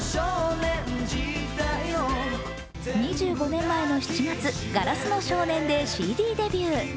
２５年前の７月「硝子の少年」でＣＤデビュー。